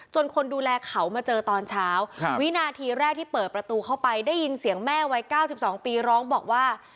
คนดูแลเขามาเจอตอนเช้าวินาทีแรกที่เปิดประตูเข้าไปได้ยินเสียงแม่วัย๙๒ปีร้องบอกว่า